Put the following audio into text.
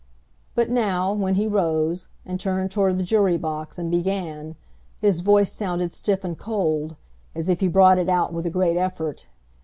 But now, when he rose, and turned toward the jury box and began, his voice sounded stiff and cold, as if he brought it out with a great effort.